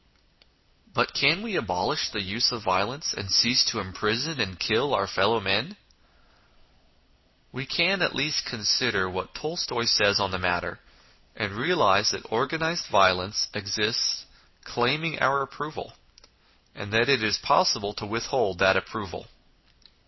But can we abolish the use of violence, and cease to imprison and kill our fellow men ? We can at least consider what Tolstoy says on the matter, and realise that organised violence exists claiming our approval, and that it is 8 INTRODUCTION possible to withhold that approval.